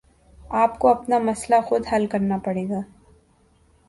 آپ کو اپنا مسئلہ خود حل کرنا پڑے گا